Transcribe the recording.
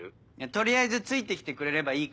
取りあえずついてきてくれればいいから。